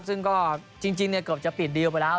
ซึ่งก็จริงเกือบจะปิดดีลไปแล้ว